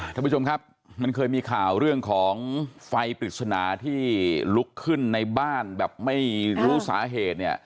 ท่านผู้ชมครับมันเคยมีข่าวเรื่องของไฟปริศนาที่ลุกขึ้นในบ้านแบบไม่รู้สาเหตุเนี่ย